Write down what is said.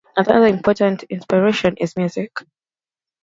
Another important inspiration is music.